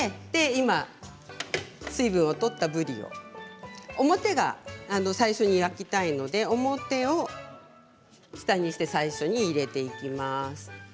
今、水分を取ったぶりを表を最初に焼きたいので表を下にして最初に入れていきます。